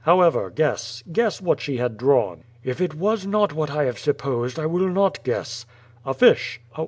However, guess, guess what she )iad drawn?'' ^Tt it was not what I have supposed, I will not guess.'^ "A fish."